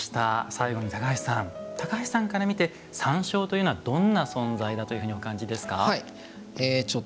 最後に高橋さん高橋さんから見て山椒というのはどんな存在だとお感じですか？